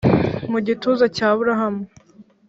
Mu gituza cya aburahamu